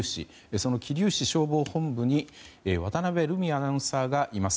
その桐生市消防本部に渡辺瑠海アナウンサーがいます。